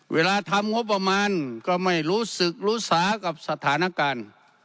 เวลาทำงบประมาณก็ไม่รู้สึกรู้สากับสถานการณ์